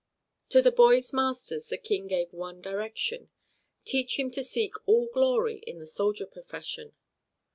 To the boy's masters the King gave one direction: "Teach him to seek all glory in the soldier profession."